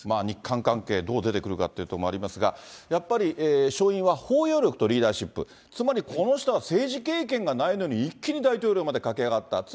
日韓関係どう出てくるかということもありますが、やっぱり勝因は包容力とリーダーシップ、つまりこの人は政治経験がないのに、一気に大統領まで駆け上がった。